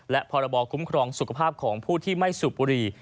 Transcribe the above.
และพรบคุ้มครองสุขภาพของผู้ที่ไม่สูบบุหรี่